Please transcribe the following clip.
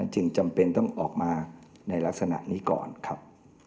จึงจำเป็นต้องออกมาในลักษณะนี้ก่อนครับ